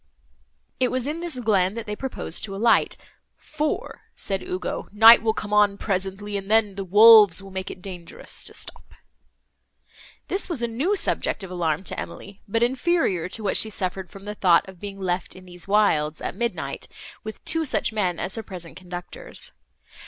It was in this glen, that they proposed to alight, "For," said Ugo, "night will come on presently, and then the wolves will make it dangerous to stop." This was a new subject of alarm to Emily, but inferior to what she suffered from the thought of being left in these wilds, at midnight, with two such men as her present conductors.